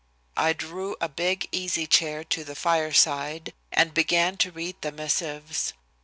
I drew a big, easy chair to the fireside, and began to read the missives.